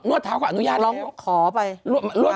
นวดเท้าก็อนุญาตไปแล้ว